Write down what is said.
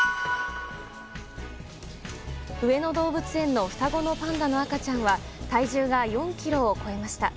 上野動物園の双子のパンダの赤ちゃんは体重が４ｋｇを超えました。